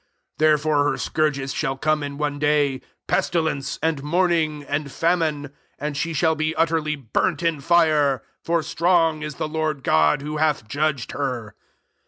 8 Therefore her scourges shall come in one day, pestilence, and mourning, and famine ; and she shall be utterly burnt in fire; for strong U the Lord God who hath judged her.